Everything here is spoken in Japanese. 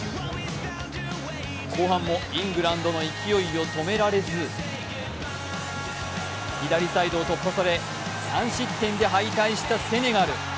後半もイングランドの勢いを止められず左サイドを突破され、３失点で敗退したセネガル。